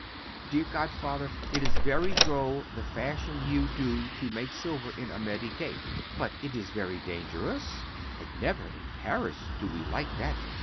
Dear godfather, it is very droll the fashion you do to make silver in Amerique! But it is very dangerous, and never in Paris we do like that.